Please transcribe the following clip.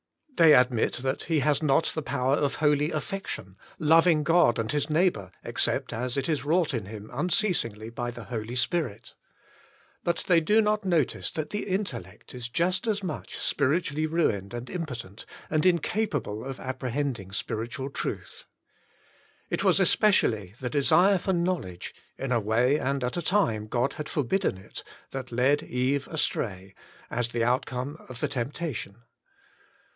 They admit that he has not the power of holy affection, loving God and his neighbour, except as it is wrought in him unceasingly by the Holy Spirit. But they do not notice that the intellect is just as much spiritually ruined and impotent, and incapable of appre hending spiritual truth. It was especially the desire for knowledge, in a way and at a time God had forbidden it, that led Eve astray, as the out come of the temptation.